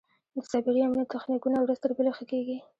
د سایبري امنیت تخنیکونه ورځ تر بلې ښه کېږي.